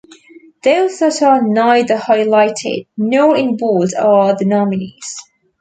Those that are neither highlighted nor in bold are the nominees.